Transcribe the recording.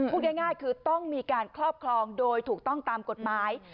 พูดง่ายคือต้องมีการครอบครองโดยถูกต้องตามกฎหมาย